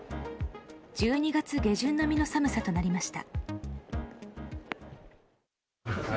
１２月下旬並みの寒さとなりました。